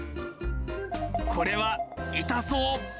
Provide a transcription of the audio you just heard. これは痛そう。